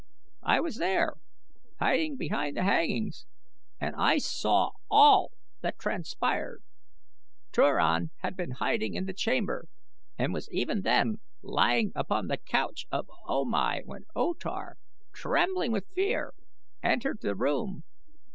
I was there, hiding behind the hangings, and I saw all that transpired. Turan had been hiding in the chamber and was even then lying upon the couch of O Mai when O Tar, trembling with fear, entered the room.